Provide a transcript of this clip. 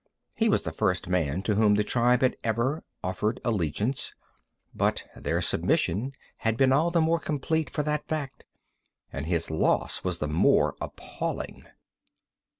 He was the first man to whom the tribe had ever offered allegiance, but their submission had been all the more complete for that fact, and his loss was the more appalling.